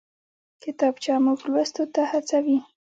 کتابچه موږ لوستو ته هڅوي